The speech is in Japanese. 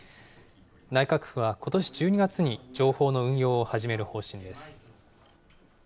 内閣府はことし１２月に情報の運用を始める方針です。